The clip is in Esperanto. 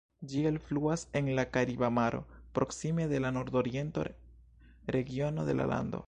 Ĝi elfluas en la Kariba Maro, proksime de la nordoriento regiono de la lando.